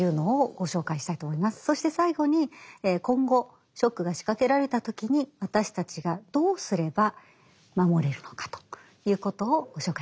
そして最後に今後ショックが仕掛けられた時に私たちがどうすれば守れるのかということをご紹介したいと思います。